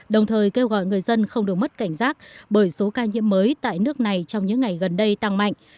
đồng thời kêu gọi người dân không được mất cảnh giác bởi số ca nhiễm mới tại nước này trong những ngày gần đây tăng mạnh